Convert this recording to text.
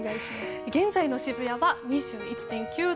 現在の渋谷は２１．９度。